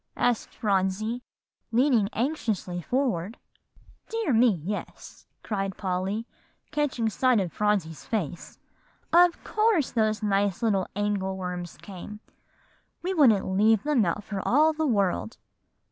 asked Phronsie, leaning anxiously forward. "Dear me, yes," cried Polly, catching sight of Phronsie's face; "of course those nice angle worms came. We wouldn't leave them out for all the world.